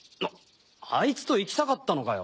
アイツと行きたかったのかよ！？